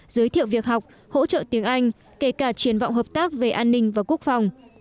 giới thiệu việc học hỗ trợ tiếng anh kể cả triển vọng hợp tác về an ninh và quốc phòng